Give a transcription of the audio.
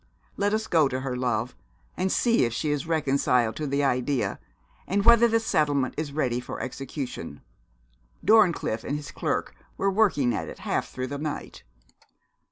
Let us go to her, love, and see if she is reconciled to the idea, and whether the settlement is ready for execution. Dorncliffe and his clerk were working at it half through the night.'